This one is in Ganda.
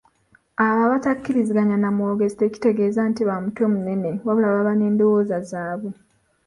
Abo abatakkiriziganya na mwogezi tekitegeeza nti ba mutwe munene wabula baba n’endowooza zaabwe.